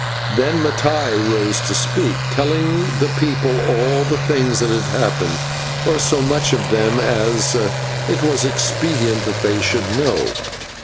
Then Mattai rose to speak, telling the people all things that had happened, or so much of them as it was expedient that they should know.